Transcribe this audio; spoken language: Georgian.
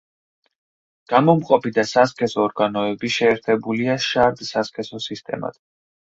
გამომყოფი და სასქესო ორგანოები შეერთებულია შარდ-სასქესო სისტემად.